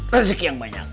rezeki yang banyak